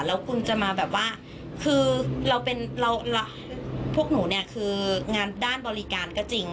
แล้วคุณจะมาแบบว่าคือพวกหนูคืองานด้านบริการก็จริง